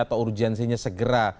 atau urgensinya segera